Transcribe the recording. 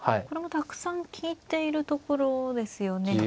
これもたくさん利いているところですよね。